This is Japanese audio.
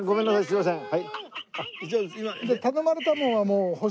すいません。